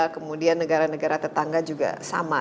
kemudian negara negara tetangga juga sama